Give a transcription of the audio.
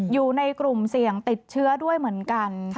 อยู่ในกลุ่มเสี่ยงติดเชื้อด้วยเหมือนกัน